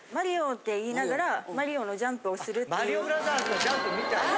「マリオブラザーズ」のジャンプみたいな？